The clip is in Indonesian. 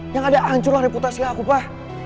yang ada hancurlah reputasi aku pah